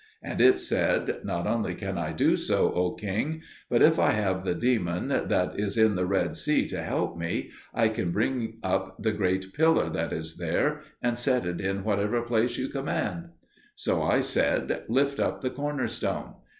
And it said, "Not only can I do so, O king, but if I have the demon that is in the Red Sea to help me, I can bring up the great Pillar that is there, and set it in whatever place you command." So I said, "Lift up the corner stone."